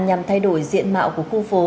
nhằm thay đổi diện mạo của khu phố